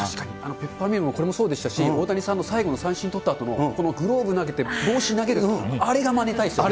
ペッパーミルも、これもそうでしたし、大谷さんの最後の三振取ったあとの、このグローブ投げて、帽子投げる、あれがまねたいですよね。